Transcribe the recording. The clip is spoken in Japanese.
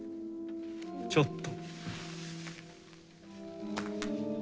ちょっと。